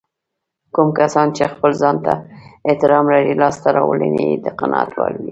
کوم کسان چې خپل ځانته احترام لري لاسته راوړنې يې د قناعت وړ وي.